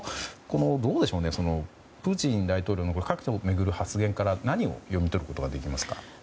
どうでしょう、プーチン大統領の核を巡る発言から何を読み取ることができますか？